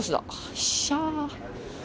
よっしゃー！